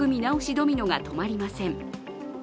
ドミノが止まりません。